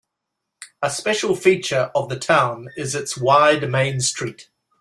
A special feature of the town is its wide main street.